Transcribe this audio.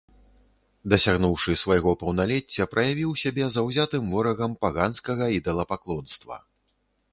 Дасягнуўшы свайго паўналецця, праявіў сябе заўзятым ворагам паганскага ідалапаклонства.